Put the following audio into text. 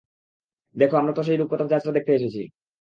দেখ, আমরা তো সেই রূপকথার জাহাজটা দেখতে এসেছি!